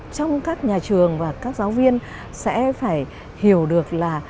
trong các nhà trường và các giáo viên sẽ phải hiểu được là